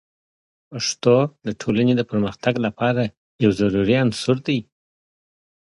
پښتو د ټولنې د پرمختګ لپاره یو ضروري عنصر دی.